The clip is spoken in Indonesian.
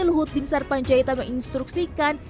luhut bin sarpanjaita menginstruksikan